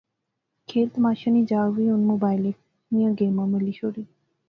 کھیل تماشیاں نی جاغ وی ہُن موبائلے نئیں گیمیں ملی شوڑی